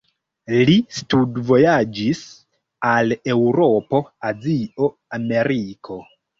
Li studvojaĝis al Eŭropo, Azio, Ameriko.